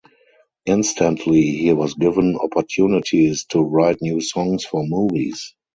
Instantly he was given opportunities to write new songs for movies.